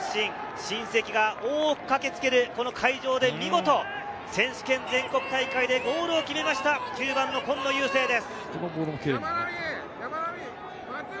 親戚が多く駆けつける会場で見事、選手権全国大会でシュートを決めました、今野友聖です。